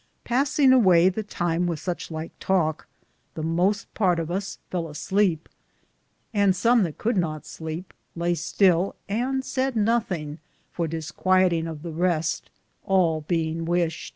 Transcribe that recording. Passinge awaye the time with such lyke talke, the moste ADVENTURE AT GANGS. 55 parte of us fell a sleepe, and som that could not sleepe laye still and sayd nothinge for disquietinge of the reste, all beinge whyshte.